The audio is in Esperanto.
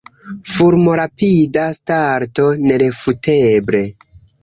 Fulmorapida starto, nerefuteble.